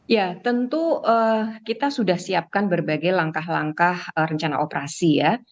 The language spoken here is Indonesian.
ya tentu kita sudah siapkan berbagai langkah langkah rencana operasi ya